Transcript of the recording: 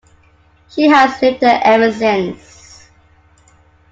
She has lived there ever since.